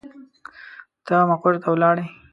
ته مقر ته ولاړې.